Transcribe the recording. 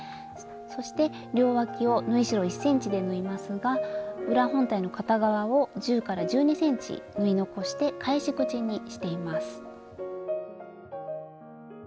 そして両わきを縫い代１ｃｍで縫いますが裏本体の片側を１０１２ｃｍ縫い残して返し口にしています。